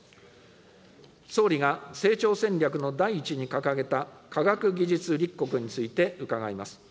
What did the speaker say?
総理が成長戦略の第一に掲げた科学技術立国について伺います。